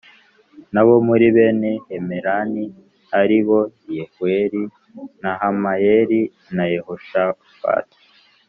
n abo muri bene Hemani ari bo Yehweli nahamayeli na yehoshafati.